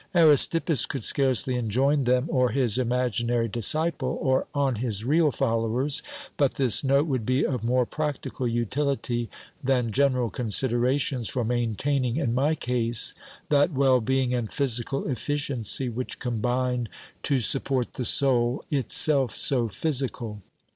Aristippus could scarcely enjoin them or his imaginary disciple, or on his real followers, but this note would be of more practical utility than general considerations for maintaining in my case that well being and physical effici ency which combine to support the soul, itself so physical.